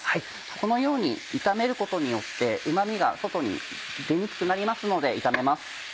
このように炒めることによってうま味が外に出にくくなりますので炒めます。